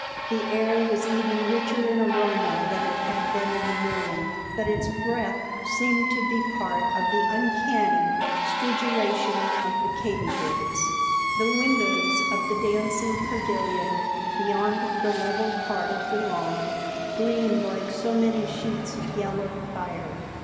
The air was even richer in aroma than it had been in the morning, but its breath seemed to be part of the uncanny stridulation of the katydids. The windows of the dancing pavilion beyond the level part of the lawn gleamed like so many sheets of yellow fire.